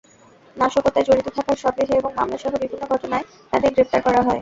নাশকতায় জড়িত থাকার সন্দেহে এবং মামলাসহ বিভিন্ন ঘটনায় তাঁদের গ্রেপ্তার করা হয়।